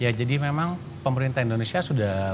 ya jadi memang pemerintah indonesia sudah